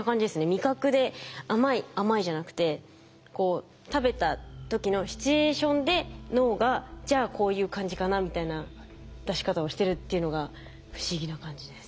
味覚で「甘い」「甘い」じゃなくてこう食べた時のシチュエーションで脳が「じゃあこういう感じかな」みたいな出し方をしてるっていうのが不思議な感じです。